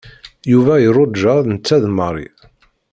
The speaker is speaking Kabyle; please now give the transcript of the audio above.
Yuba iruja netta d Mary.